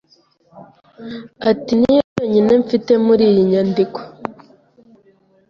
" Ati: "Ni yo yonyine mfite muri iyo nyandiko.